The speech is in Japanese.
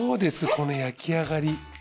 この焼き上がり。